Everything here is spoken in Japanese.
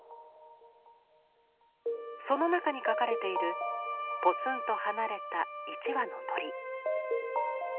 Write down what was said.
その中に描かれているぽつんと離れた１羽の鳥。